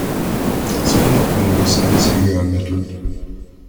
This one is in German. Es werden auch keine Gesamtsieger ermittelt.